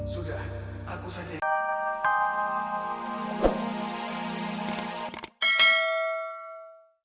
sudah aku saja